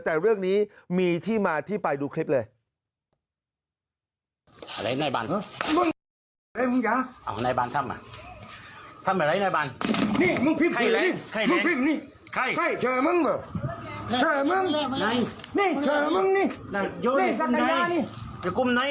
แต่เรื่องนี้มีที่มาที่ไปดูคลิปเลย